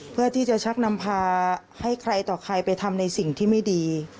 เพื่อที่จะชักนำพาให้ใครต่อใครไปทำในสิ่งที่ไม่ดี